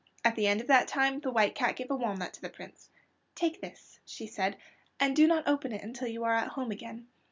At the end of that time the White Cat gave a walnut to the Prince. "Take this," she said, "and do not open it until you are at home again.